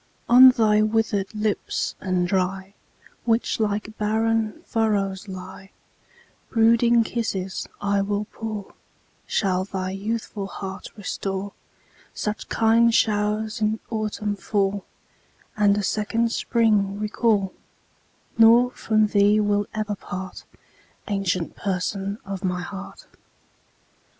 On thy withered lips and dry, Which like barren furrows lie, Brooding kisses I will pour, Shall thy youthful heart restore, Such kind show'rs in autumn fall, And a second spring recall; Nor from thee will ever part, Ancient Person of my heart.